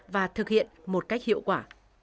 và thực hiện một cách hiệu quả